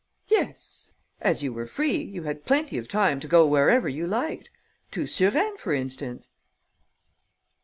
"Yes. As you were free, you had plenty of time to go wherever you liked ... to Suresnes, for instance."